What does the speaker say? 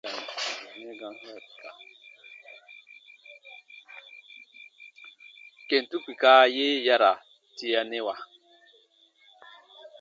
Kentu kpika ye ya ra tianɛwa.